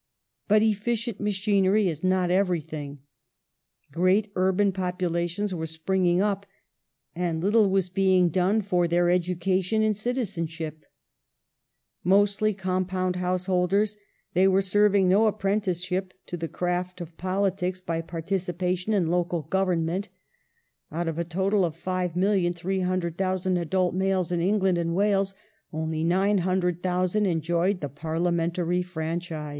But efficient machinery is not everything. Great urban populations were springing up, and little was being done for their education in citizenship. Mostly compound householders, they were serving no apprenticeship to the craft of politics by participation in local 344 *' THE LEAP IN THE DARK" [1865 govemment. Out of a total of 5,300,000 adult males in England and Wales only 900,000 enjoyed the parliamentary franchise.